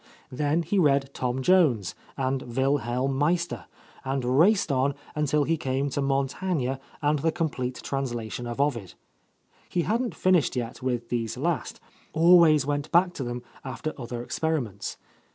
Then he read "Tom Jones'^knJ "Wilhelm Meis ter" and raced on until he ojafftfe |d Montaigne and a complete translation of Ovid. He hadn't finished yet with these last, — always went back to them after other experiments.